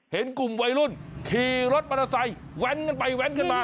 เห็นกลุ่มวัยรุ่นขี่รถมอเตอร์ไซค์แว้นกันไปแว้นกันมา